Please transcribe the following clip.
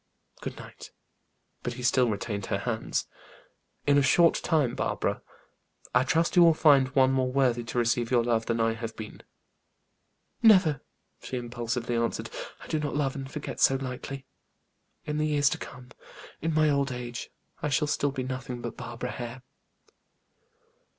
Good night." But he still retained her hands. "In a short time, Barbara, I trust you will find one more worthy to receive your love than I have been." "Never!" she impulsively answered. "I do not love and forget so lightly. In the years to come, in my old age, I shall still be nothing but Barbara Hare."